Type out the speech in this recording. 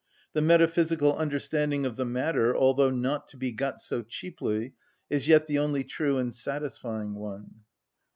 The metaphysical understanding of the matter, although not to be got so cheaply, is yet the only true and satisfying one.